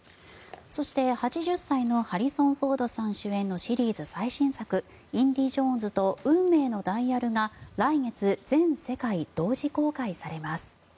そして、８０歳のハリソン・フォード主演のシリーズ最新作「インディ・ジョーンズと運命のダイヤル」が来月、全世界同時公開されます。